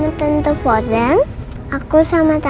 weilktu bozex oppn abogada semuanya